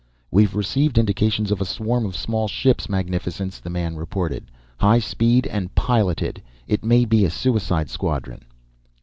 "We've received indications of a swarm of small ships, magnificence," the man reported. "High speed and piloted. It may be a suicide squadron."